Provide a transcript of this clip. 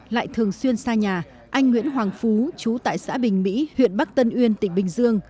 lại thường xuyên xa nhà anh nguyễn hoàng phú chú tại xã bình mỹ huyện bắc tân uyên tỉnh bình dương